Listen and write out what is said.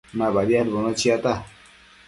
Ma badiadbono chiata